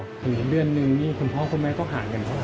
คือเดือนหนึ่งนี่คุณพ่อคุณแม่ต้องหาเงินค่ะ